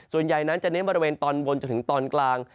ส่วนใหญ่นั้นจะเน้นบริเวณตอนบนจนถึงตอนกลาง